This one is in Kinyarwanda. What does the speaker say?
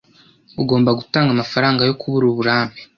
Ugomba gutanga amafaranga yo kubura uburambe.